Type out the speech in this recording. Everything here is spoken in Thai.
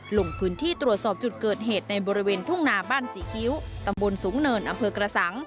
ลงพื้นที่ตรวจสอบจุดเกิดเหตุในบริเวณทุ่งนาบ้านศรีคิ้วตำบลสูงเนินอำเภอกระสัง